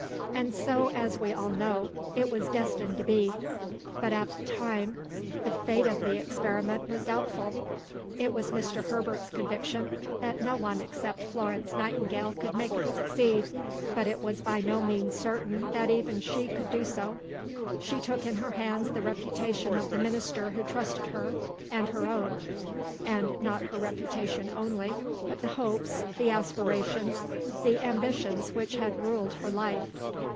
And so, as we all know, it was destined to be. But at the time the fate of the experiment was doubtful. It was Mr. Herbert's conviction that no one except Florence Nightingale could make it succeed, but it was by no means certain that even she could do so. She took in her hands the reputation of the Minister who trusted her, and her own; and not her reputation only, but the hopes, the aspirations, the ambitions which had ruled her life.